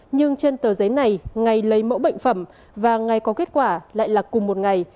nhưng trên tờ giấy này ngày lấy mẫu bệnh phẩm và ngày có kết quả lại là cùng một ngày